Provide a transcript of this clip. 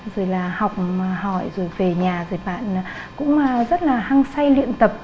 rồi là học hỏi rồi về nhà rồi bạn cũng rất là hăng say luyện tập